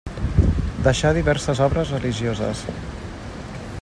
Deixà diverses obres religioses.